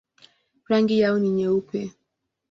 Rangi yao ni nyeupe.